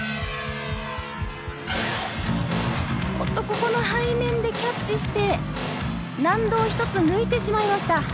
ここの背面でキャッチして、難度ひとつ抜いてしまいました。